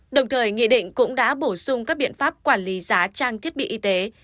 đồng thời nghị định cũng đã bổ sung các biện pháp quản lý giá trang thiết bị y tế